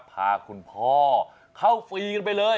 พาคุณพ่อเข้าฟรีกันไปเลย